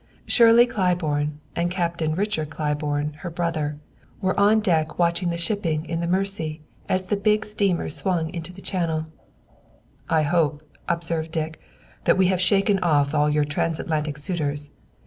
Shirley Claiborne and Captain Richard Claiborne, her brother, were on deck watching the shipping in the Mersey as the big steamer swung into the channel. "I hope," observed Dick, "that we have shaken off all your transatlantic suitors.